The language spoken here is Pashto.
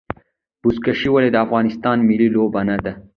بزکشي ولې د افغانستان ملي لوبه نه ده؟